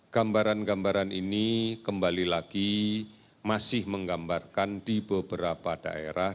gambaran gambaran ini kembali lagi masih menggambarkan di beberapa daerah